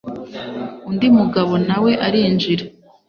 undi mugabo nawe arinjira